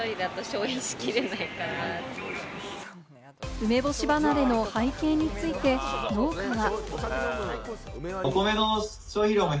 梅干し離れの背景について、農家は。